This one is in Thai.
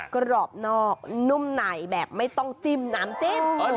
กรอบนอกนุ่มไหนแบบไม่ต้องจิ้มน้ำจิ้ม